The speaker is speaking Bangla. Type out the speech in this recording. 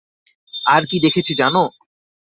আর কী দেখেছি জানো?